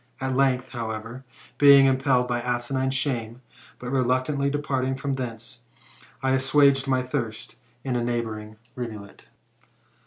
At length, however, being im pelled by asinine shame, but reluctantly departing from thence, I assuaged my thirst in a neighbouring rivulet.